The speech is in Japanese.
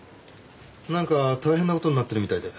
なんか大変な事になってるみたいで。